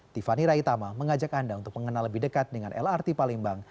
tiffany raitama mengajak anda untuk mengenal lebih dekat dengan lrt palembang